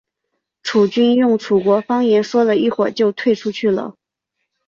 楚军用楚国方言说了一会就退出去了。